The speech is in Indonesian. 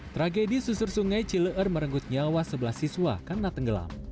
tragedi susur sungai cileer merenggut nyawa sebelah siswa karena tenggelam